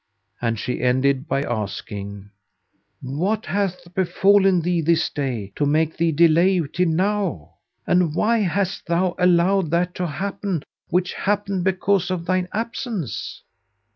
And she ended by asking, "What hath befallen thee this day to make thee delay till now?; and why hast thou allowed that to happen which happened because of thine absence?"